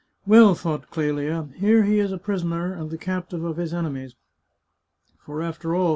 " Well," thought Clelia, " here he is a prisoner, and the captive of his enemies. For, after all.